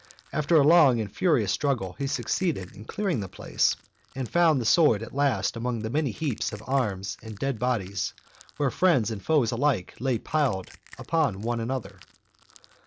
After a long and furious struggle, he succeeded in clearing the place, and found the sword at last among the many heaps of arms and dead bodies where friends and foes alike lay piled upon one another.